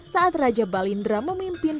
saat raja balindra memimpin